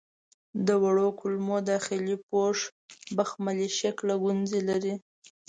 د وړو کولمو داخلي پوښ بخملي شکله ګونځې لري.